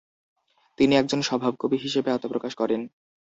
তিনি একজন স্বভাবকবি হিসেবে আত্মপ্রকাশ করেন।